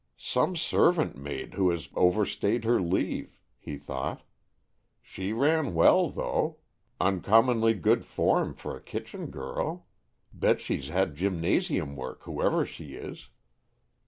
"Some servant maid who has overstayed her leave," he thought. "She ran well, though, uncommonly good form for a kitchen girl. Bet she's had gymnasium work, whoever she is."